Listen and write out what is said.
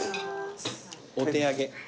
お手上げ。